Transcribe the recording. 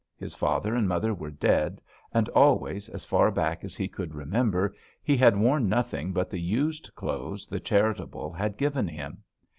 His father and mother were dead, and always, as far back as he could remember, he had worn nothing but the used clothes the charitable had given him.